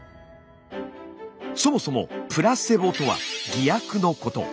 そもそも「プラセボ」とは偽薬のこと。